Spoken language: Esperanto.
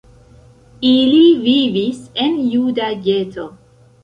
Ili vivis en juda geto.